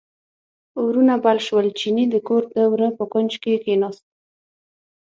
اورونه بل شول، چیني د کور د وره په کونج کې کیناست.